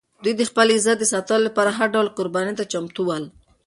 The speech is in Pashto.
دوی د خپل عزت د ساتلو لپاره هر ډول قربانۍ ته چمتو ول.